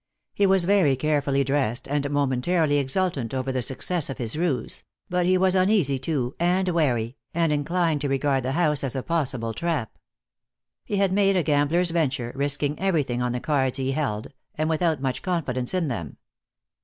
He was very carefully dressed, and momentarily exultant over the success of his ruse, but he was uneasy, too, and wary, and inclined to regard the house as a possible trap. He had made a gambler's venture, risking everything on the cards he held, and without much confidence in them.